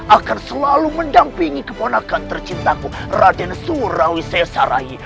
akan selalu mendampingi kebonakan tercintaku raden surawi sesarahi